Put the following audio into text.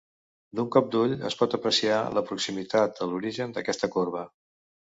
D'un cop d'ull es pot apreciar la proximitat a l'origen d'aquesta corba.